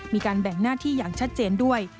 มีการแบ่งหน้าที่อย่างชัดเจนด้วย